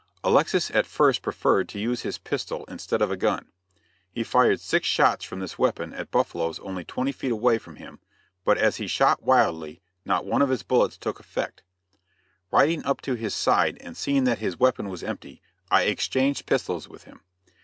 Alexis at first preferred to use his pistol instead of a gun. He fired six shots from this weapon at buffaloes only twenty feet away from him, but as he shot wildly, not one of his bullets took effect. Riding up to his side and seeing that his weapon was empty, I exchanged pistols with him.